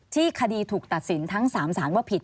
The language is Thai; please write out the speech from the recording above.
คดีถูกตัดสินทั้ง๓สารว่าผิด